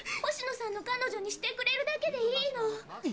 星野さんの彼女にしてくれるだけでいいの。